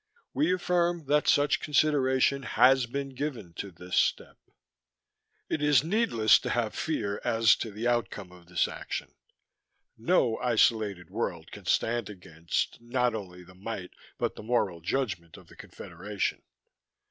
We affirm that such consideration has been given to this step. It is needless to have fear as to the outcome of this action. No isolated world can stand against, not only the might, but the moral judgment of the Confederation.